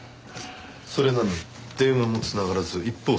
それなのに電話も繋がらず一方